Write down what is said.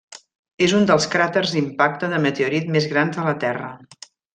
És un dels cràters d'impacte de meteorit més grans de la Terra.